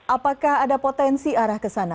apakah ada potensi arah ke sana